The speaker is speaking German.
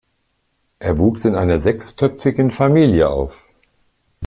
Er wuchs in einer sechsköpfigen Familie auf.